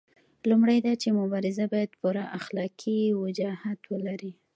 لومړی دا چې مبارزه باید پوره اخلاقي وجاهت ولري.